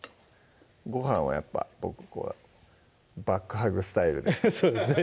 ご飯はやっぱ僕バックハグスタイルでそうですね